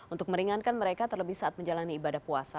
untuk meringankan mereka terlebih saat menjalani ibadah puasa